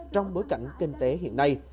trong bối cảnh kinh tế hiện nay